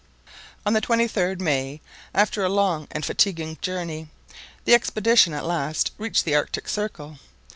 On the 23d May, after a long and fatiguing journey, the expedition at last reached the Arctic Circle.